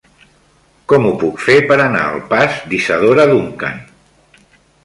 Com ho puc fer per anar al pas d'Isadora Duncan?